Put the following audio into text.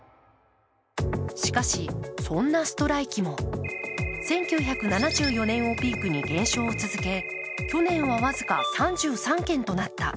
しかし、そんなストライキも１９７４年をピークに減少を続け去年は僅か３３件となった。